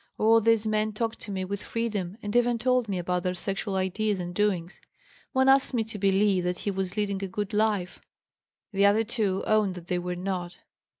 All these men talked to me with freedom and even told me about their sexual ideas and doings. One asked me to believe that he was leading a good life; the other two owned that they were not.